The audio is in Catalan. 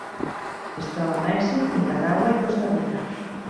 Es troba a Mèxic, Nicaragua i Costa Rica.